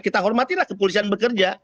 kita hormatilah kepolisian bekerja